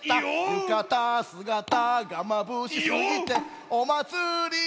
浴衣姿がまぶしすぎて「いよっ」。